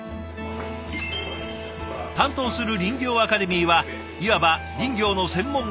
担当する林業アカデミーはいわば林業の専門学校。